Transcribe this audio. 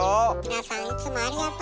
皆さんいつもありがと！